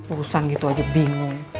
urusan gitu aja bingung